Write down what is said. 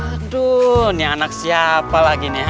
aduh ini anak siapa lagi nih